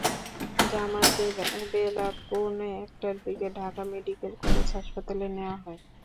জামালকে বেলা পৌনে একটার দিকে ঢাকা মেডিকেল কলেজ হাসপাতালে নেওয়া হয়।